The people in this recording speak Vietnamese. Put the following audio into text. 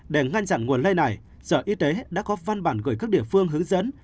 để ngăn chặn nguồn lây này sở y tế đã có văn bản gửi các địa phương hướng dẫn